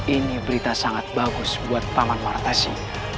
ini berita sangat bagus buat paman martasi